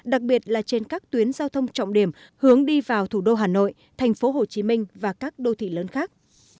đặc biệt là trên các tuyến giao thông trọng điểm hướng đi vào thủ đô hà nội thành phố hồ chí minh và các đô thị lớn khác